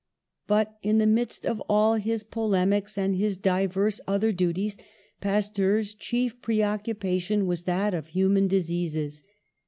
But in the midst of all his polemics and his divers other duties Pasteur's chief preoccupation was that of human diseases.